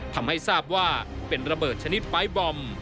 ทำให้ทราบว่าเป็นระเบิดชนิดปลายบอม